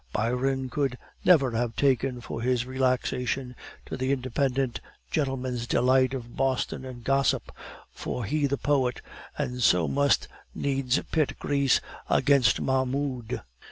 Byron could never have taken for his relaxation to the independent gentleman's delights of boston and gossip, for he was a poet, and so must needs pit Greece against Mahmoud.